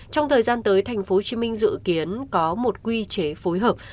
trong thời gian tới tp hcm dự kiến có một quy chế phối hợp